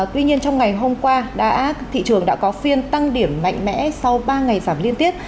tuy nhiên trong ngày hôm qua thị trường đã có phiên tăng điểm mạnh mẽ sau ba ngày giảm liên tiếp